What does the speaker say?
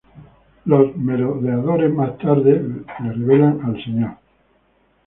Los Merodeadores más tarde, le revelan a Mr.